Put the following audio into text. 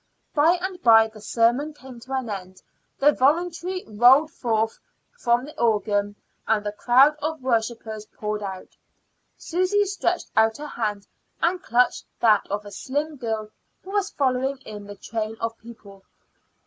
By and by the sermon came to an end, the voluntary rolled forth from the organ, and the crowd of worshippers poured out. Susy stretched out her hand and clutched that of a slim girl who was following in the train of people.